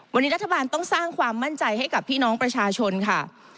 วันนี้รัฐบาลต้องสร้างความมั่นใจให้กับพี่น้องประชาชนค่ะ